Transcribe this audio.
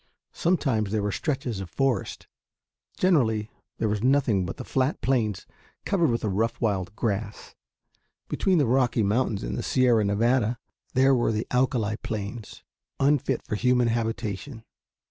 Sometimes there were stretches of forest; generally there was nothing but the flat plains covered with a rough wild grass. Between the Rocky Mountains and the Sierra Nevada there were the alkali plains, unfit for human habitation.